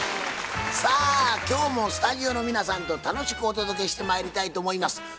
さあ今日もスタジオの皆さんと楽しくお届けしてまいりたいと思います。